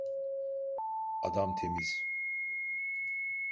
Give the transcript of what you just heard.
Adam temiz.